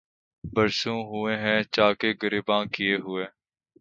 برسوں ہوئے ہیں چاکِ گریباں کئے ہوئے